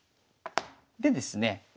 でですね